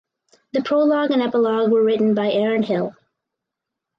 The prologue and epilogue were written by Aaron Hill.